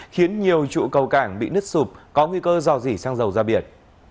khiến nhiều trụ cầu cảng bị nứt sụp có nguy cơ dò dỉ xăng dầu ra biển